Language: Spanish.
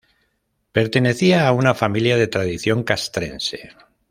Pertenecía a una familia de tradición castrense.